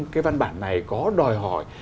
cái văn bản này có đòi hỏi